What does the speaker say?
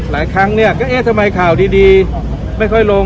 หลายครั้งเนี่ยก็เอ๊ะทำไมข่าวดีไม่ค่อยลง